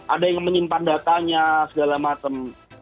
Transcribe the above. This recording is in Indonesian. ada yang menyimpan datanya segala macam